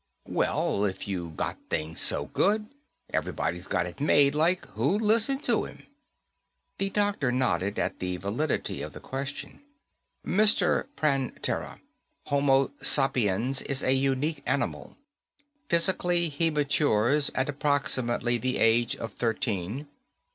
"Well if you got things so good, everybody's got it made, like, who'd listen to him?" The doctor nodded at the validity of the question. "Mr. Prantera, Homo sapiens is a unique animal. Physically he matures at approximately the age of thirteen.